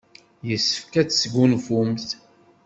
Yessefk ad tesgunfumt.